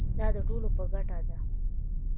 دا د ټولو په ګټه ده.